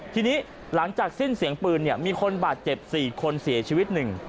ทีนี้หลังจากสิ้นเสียงปืนมีคนบาดเจ็บ๔คนเสียชีวิต๑